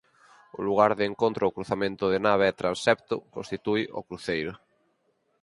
O lugar de encontro ou cruzamento de nave e transepto constitúe o cruceiro.